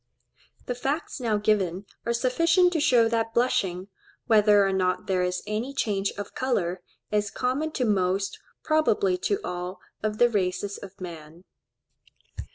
The facts now given are sufficient to show that blushing, whether or not there is any change of colour, is common to most, probably to all, of the races of man.